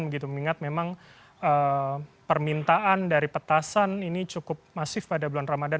mengingat memang permintaan dari petasan ini cukup masif pada bulan ramadan